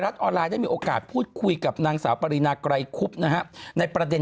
รัฐออนไลน์ได้มีโอกาสพูดคุยกับนางสาวปริธรรมินาคมในประเด็น